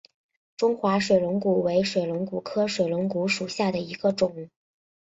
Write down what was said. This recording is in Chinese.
中华水龙骨为水龙骨科水龙骨属下的一个种。